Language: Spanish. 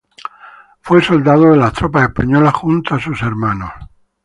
Fue soldado de las tropas españolas, junto a sus hermanos.